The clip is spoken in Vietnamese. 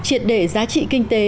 triệt để giá trị kinh tế